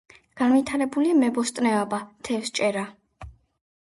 განვითარებულია მებოსტნეობა, თევზჭერა.